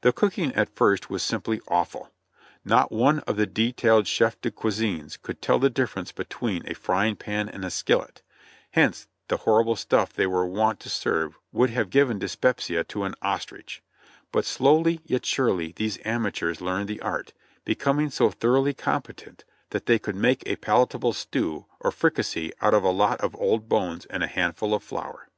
The cooking at first was simply awful ; not one of the detailed chef de cuisines could tell the difference between a frying pan and a skillet, hence the horrible stuff they were wont to serve would have given dyspepsia to an ostrich ; but slowly yet surely these amateurs learned the art, becoming so thorough ly competent that they could make a palatable stew or fricassee out of a lot of old bones and a handful of flour.